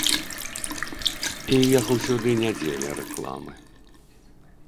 І ехаў сюды не дзеля рэкламы.